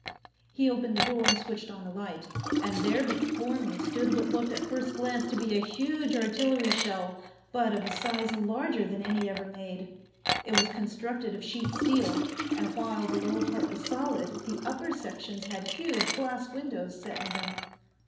He opened the door and switched on a light, and there before me stood what looked at first glance to be a huge artillery shell, but of a size larger than any ever made. It was constructed of sheet steel, and while the lower part was solid, the upper sections had huge glass windows set in them.